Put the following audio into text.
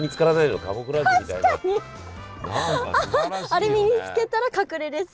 あれ身に着けたら隠れれそう。